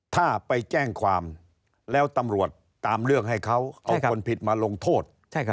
ถ้าไปแจ้งความแล้วตำรวจตามเรื่องให้เขาเอาคนผิดมาลงโทษ